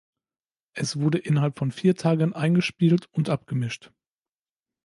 Es wurde innerhalb von vier Tagen eingespielt und abgemischt.